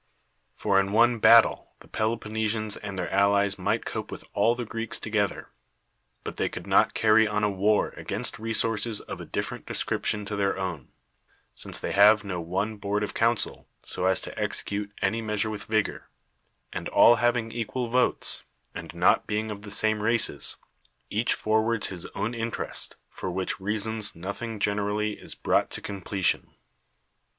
For in one hattle the Peloponnesians and their allies might cope with all the Greeks to gether ; but they could not carry on a war against resources of a different description to their own ; since they have no one board of council, so as to execute any measure with vigor ; and all having equal votes, and not being of the same races, each forwards his own interest; for which rea sons nothing generally is brought to completion.